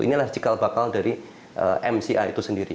inilah cikal bakal dari mca itu sendiri